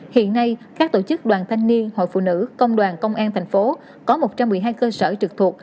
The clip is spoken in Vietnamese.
hiện nay các tổ chức đoàn thanh niên hội phụ nữ công đoàn công an thành phố có một trăm một mươi hai cơ sở trực thuộc